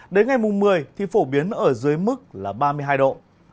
đến ngày mùng một mươi thì phổ biến ở dưới mức là ba mươi hai độ